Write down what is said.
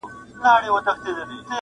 • په ځنگله کی به آزاد یې د خپل سر یې -